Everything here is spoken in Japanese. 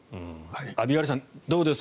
アビガイルさん、どうです？